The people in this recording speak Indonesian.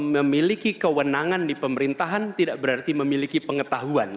memiliki kewenangan di pemerintahan tidak berarti memiliki pengetahuan